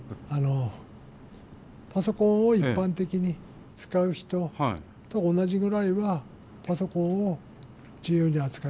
パソコンを一般的に使う人と同じぐらいはパソコンを自由に扱えます。